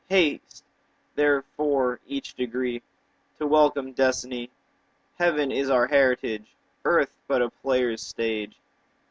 35 Haste therefore each degree To welcome destiny; Heaven is our heritage, Earth but a player's stage.